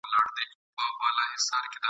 خدای دي ووهه پر ما به توره شپه کړې !.